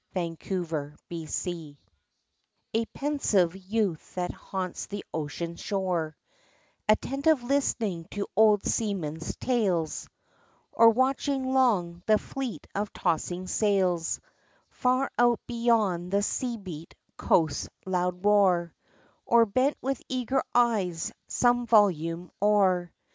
THE BOY COLUMBUS A PENSIVE youth that haunts the ocean shore Attentive listening to old seamen's tales; Or watching long the fleet of tossing sails Far out beyond the sea beat coast's loud roar; Or bent with eager eyes some volume o'er.